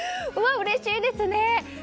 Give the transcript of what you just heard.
うれしいですね！